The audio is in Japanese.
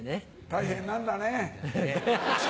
大変なんだねぇ。